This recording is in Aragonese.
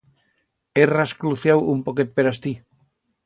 He rascluciau un poquet per astí.